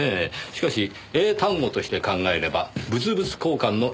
しかし英単語として考えれば物々交換の意味です。